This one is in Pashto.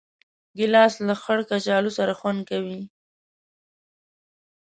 ګیلاس له خړ کچالو سره خوند کوي.